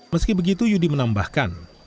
meski begitu yudi menambahkan